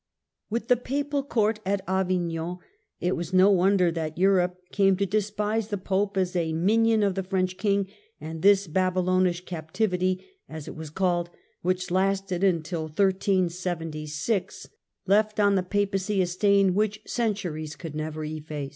With the Papal Court at Avignon it was no wonder that Europe came to despise the Pope as a minion of the French King, and this " Babylonish Captivity," as it was called, which lasted until 1376, left on the Papacy a stain which centuries could never efface.